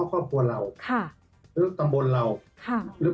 ก็มีทุกอย่าง